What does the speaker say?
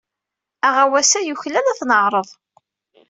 Aɣawas-a yuklal ad t-neɛreḍ.